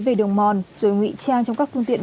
về đường mòn rồi ngụy trang trong các phương tiện